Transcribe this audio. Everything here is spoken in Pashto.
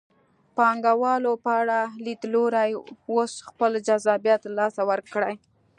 د پانګوالو په اړه لیدلوري اوس خپل جذابیت له لاسه ورکړی.